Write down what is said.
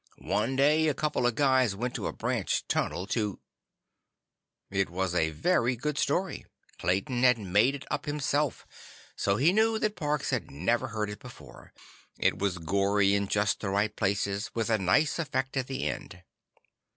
One day, a couple of guys went to a branch tunnel to—" It was a very good story. Clayton had made it up himself, so he knew that Parks had never heard it before. It was gory in just the right places, with a nice effect at the end.